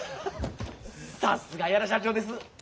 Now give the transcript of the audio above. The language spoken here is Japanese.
さすが屋良社長です。